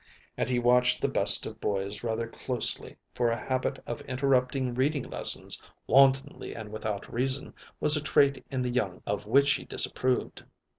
And he watched the best of boys rather closely, for a habit of interrupting reading lessons, wantonly and without reason, was a trait in the young of which he disapproved.